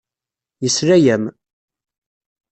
Yesla-am.